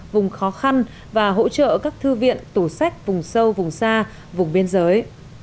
vùng khó khăn và hỗ trợ các thư viện tủ sách vùng sâu vùng xa vùng biên giới